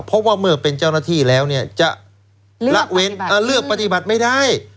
เพราะว่าเมื่อเป็นเจ้าหน้าที่แล้วจะเลือกปฏิบัติไม่ได้